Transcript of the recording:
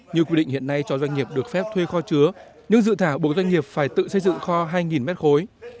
như quy định hiện nay cho doanh nghiệp được phép thuê kho chứa nhưng dự thảo buộc doanh nghiệp phải tự xây dựng kho hai mét khối